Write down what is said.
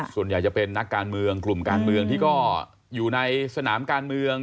ส่วนใหญ่จะเป็นนักการเมืองกลุ่มการเมืองที่ก็อยู่ในสนามการเมือง